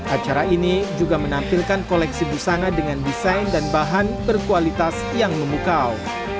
acara ini juga menampilkan koleksi busana dengan desain dan bahan berkualitas yang memukau